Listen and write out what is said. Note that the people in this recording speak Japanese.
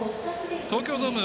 東京ドーム